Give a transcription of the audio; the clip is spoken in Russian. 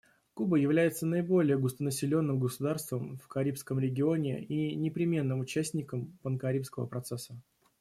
Куба является наиболее густонаселенным государством в Карибском регионе и непременным участником панкарибского процесса.